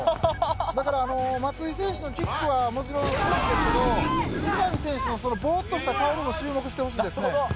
だから松井選手のキックはもちろんすごいんですけど、宇佐美選手のボーっとした顔にも注目ですね。